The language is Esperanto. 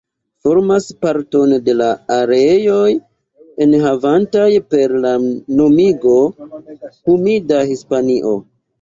Formas parton de la areoj enhavantaj per la nomigo "humida Hispanio".